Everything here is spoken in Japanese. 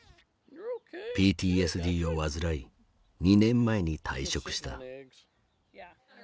ＰＴＳＤを患い２年前に退職した。